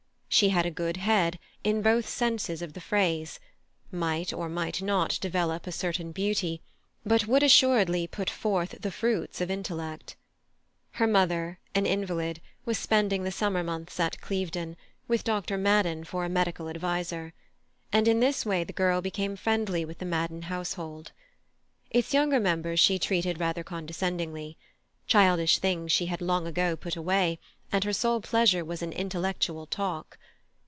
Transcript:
She had a good head, in both senses of the phrase; might or might not develop a certain beauty, but would assuredly put forth the fruits of intellect. Her mother, an invalid, was spending the summer months at Clevedon, with Dr. Madden for medical adviser, and in this way the girl became friendly with the Madden household. Its younger members she treated rather condescendingly; childish things she had long ago put away, and her sole pleasure was in intellectual talk.